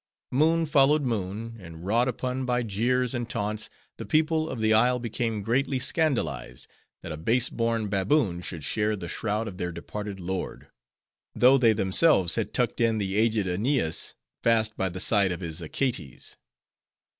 Moon followed moon; and wrought upon by jeers and taunts, the people of the isle became greatly scandalized, that a base born baboon should share the shroud of their departed lord; though they themselves had tucked in the aged AEneas fast by the side of his Achates.